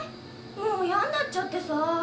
もう嫌になっちゃってさあ。